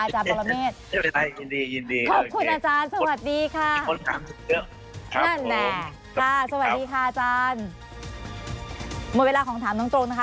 หมดเวลาของถามตรงนะคะ